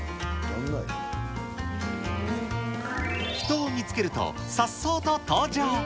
人を見つけると、さっそうと登場。